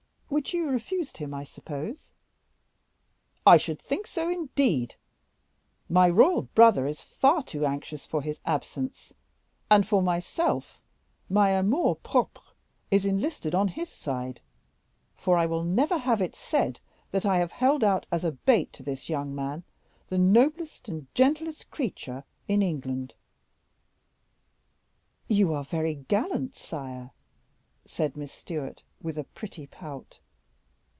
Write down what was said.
"Which you refused him, I suppose?" "I should think so, indeed; my royal brother is far too anxious for his absence; and, for myself, my amour propre is enlisted on his side, for I will never have it said that I had held out as a bait to this young man the noblest and gentlest creature in England " "You are very gallant, sire," said Miss Stewart, with a pretty pout.